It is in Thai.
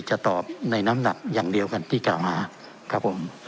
จะตอบในน้ำหนักอย่างเดียวกันที่กล่าวหาครับผม